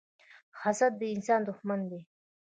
حسد د انسان دښمن دی